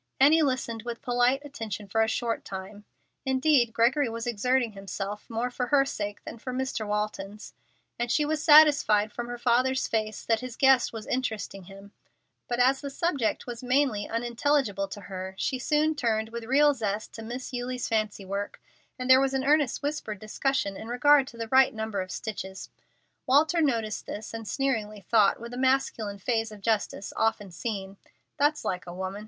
Annie listened with polite attention for a short time indeed Gregory was exerting himself more for her sake than for Mr. Walton's and she was satisfied from her father's face that his guest was interesting him; but as the subject was mainly unintelligible to her she soon turned with real zest to Miss Eulie's fancy work, and there was an earnest whispered discussion in regard to the right number of stitches. Walter noted this and sneeringly thought, with a masculine phase of justice often seen, "That's like a woman.